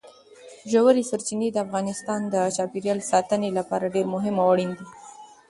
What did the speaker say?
ژورې سرچینې د افغانستان د چاپیریال ساتنې لپاره ډېر مهم او اړین دي.